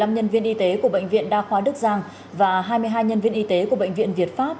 một mươi nhân viên y tế của bệnh viện đa khoa đức giang và hai mươi hai nhân viên y tế của bệnh viện việt pháp